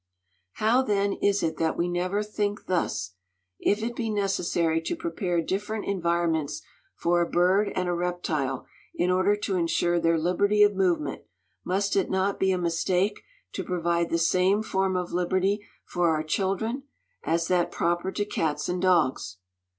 How then is it that we never think thus: if it be necessary to prepare different environments for a bird and a reptile in order to ensure their liberty of movement, must it not be a mistake to provide the same form of liberty for our children as that proper to cats and dogs?